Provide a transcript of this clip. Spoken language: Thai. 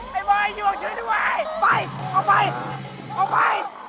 ไปไอ้มายอยู่ออกชีวิตให้ไว้